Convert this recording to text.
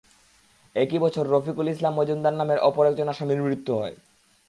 একই বছর রফিকুল ইসলাম মজুমদার নামের অপর একজন আসামির মৃত্যু হয়।